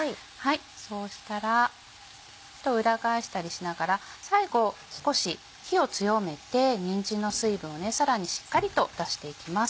そうしたら裏返したりしながら最後少し火を強めてにんじんの水分をさらにしっかりと出していきます。